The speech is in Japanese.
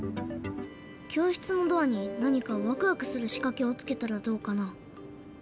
教室のドアに何かワクワクするしかけをつけたらどうかな？